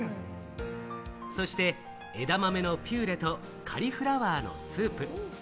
そして、枝豆のピューレとカリフラワーのスープ。